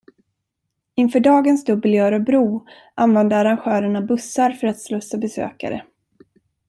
Inför dagens dubbel i Örebro använde arrangörerna bussar för att slussa besökare.